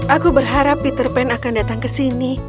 aku berharap peter pan akan datang kesini